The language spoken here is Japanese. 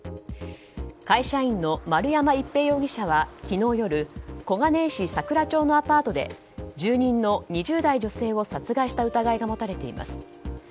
会社員の丸山一平容疑者は昨日夜小金井市桜町のアパートで住人の２０代女性を殺害した疑いが持たれています。